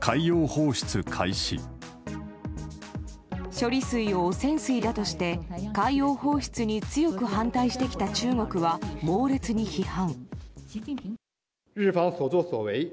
処理水を汚染水だとして海洋放出に強く反対してきた中国は猛烈に批判。